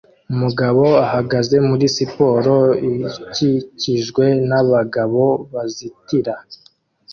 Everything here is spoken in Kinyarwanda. Umugabo ahagaze muri siporo ikikijwe nabagabo bazitira